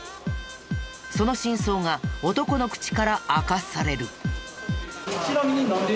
その真相が男の口から明かされる。